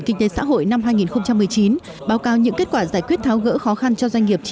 kinh tế xã hội năm hai nghìn một mươi chín báo cáo những kết quả giải quyết tháo gỡ khó khăn cho doanh nghiệp